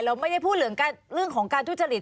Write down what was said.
เราไม่ได้พูดเรื่องของการทุจริต